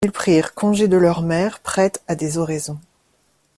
Ils prirent congé de leurs mères prêtes à des oraisons.